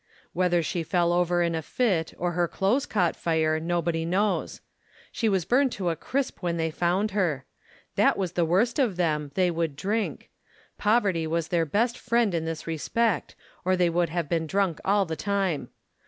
Whether she fell over in a fit or her clothes caught fire, nobody knows. She 84 THE KALLIKAK FAMILY was burned to a crisp when they found her. That was the worst of them, they would drink. Poverty was their best friend in this respect, or they would have been drunk all the time.